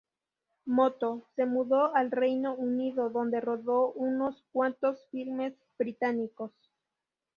Moto", se mudó al Reino Unido, donde rodó unos cuantos filmes británicos.